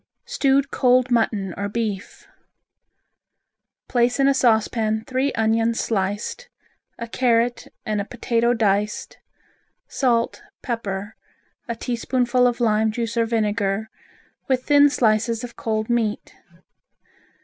Stewed Cold Mutton or Beef Place in a saucepan three onions sliced, a carrot and a potato diced; salt, pepper, a teaspoonful of lime juice or vinegar, with thin slices of cold meat.